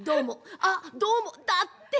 あっどうもだって。